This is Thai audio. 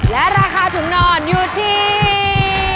และราคาถุงนอนอยู่ที่